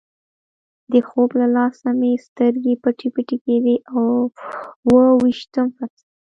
د خوب له لاسه مې سترګې پټې پټې کېدې، اوه ویشتم فصل.